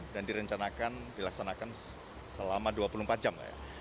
dan direncanakan dilaksanakan selama dua puluh empat jam